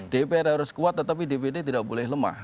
dpr harus kuat tetapi dpd tidak boleh lemah